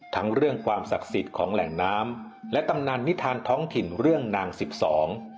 ทั้งเรื่องความศักดิ์สิทธิ์ของแหล่งน้ำและตำนานนิทานท้องถิ่นเรื่องนางสิบสอง